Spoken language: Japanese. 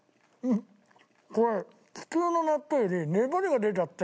これ普通の納豆より粘りが出ちゃって。